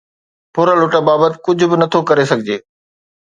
ڦرلٽ بابت ڪجهه به نه ٿو ڪري سگهجي.